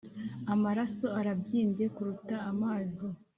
amaraso arabyimbye kuruta amazi